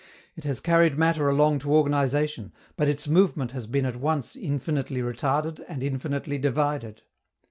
It has carried matter along to organization, but its movement has been at once infinitely retarded and infinitely divided.